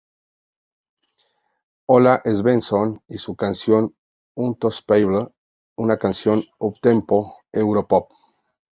Ola Svensson, y su canción "Unstoppable", una canción uptempo Europop.